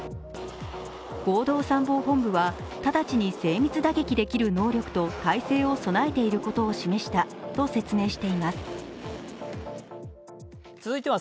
合同参謀本部はただちに精密打撃できる能力と態勢を備えていることを示したとし